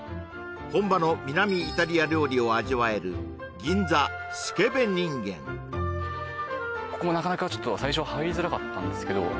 本場の南イタリア料理を味わえるここもなかなか最初は入りづらかったんですけど